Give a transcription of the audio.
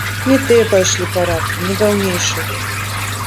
Не тыя пайшлі парадкі, не даўнейшыя.